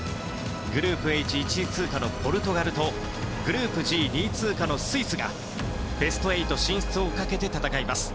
グループＨ１位通過のポルトガルとグループＧ２位通過のスイスがベスト８進出をかけて戦います。